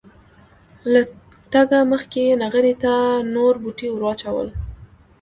له تګه مخکې یې نغري ته نور بوټي ور واچول.